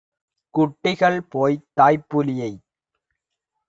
குட்டிகள்போய்த் தாய்ப்புலியைத்